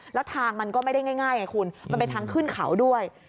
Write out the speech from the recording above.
แล้วทางมันก็ไม่ได้ง่ายไงคุณมันเป็นทางขึ้นเขาด้วย